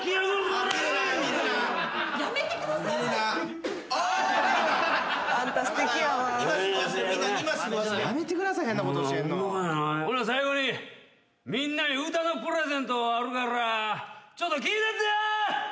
ほな最後にみんなに唄のプレゼントあるからちょっと聴いてってや！